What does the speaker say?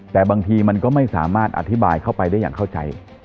แต่บางทีมันก็ไม่สามารถอธิบายเข้าไปได้อย่างเข้าใจ